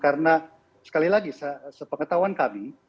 karena sekali lagi sepengetahuan kami